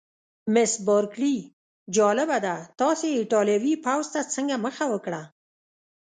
مس بارکلي: جالبه ده، تاسي ایټالوي پوځ ته څنګه مخه وکړه؟